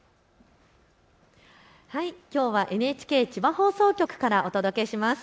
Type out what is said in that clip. きょうはＮＨＫ千葉放送局からお届けします。